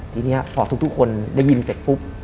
ทีนี้พอทุกคนได้ยินเสร็จปุ๊บ